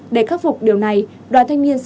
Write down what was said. để khắc phục điều này đoàn thanh niên sẽ